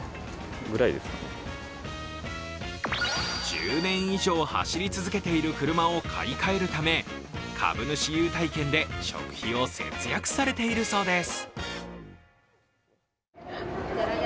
１０年以上走り続けている車を買い替えるため株主優待券で食費を節約されているそうです。